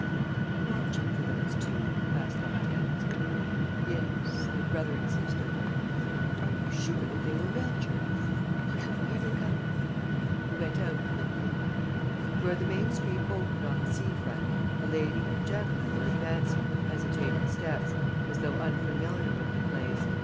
"Are you watching for those two?" asked Hortense. "Yes, the brother and sister." "Are you sure that they will venture?..." "Look out! Here they come!" He went out quickly. Where the main street opened on the sea front, a lady and gentleman were advancing with hesitating steps, as though unfamiliar with the place.